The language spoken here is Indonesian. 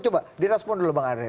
coba di respon dulu bang andri